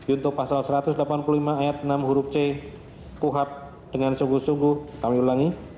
untuk pasal satu ratus delapan puluh lima ayat enam huruf c kuhap dengan sungguh sungguh kami ulangi